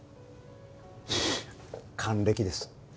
還暦です。